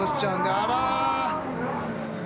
あら。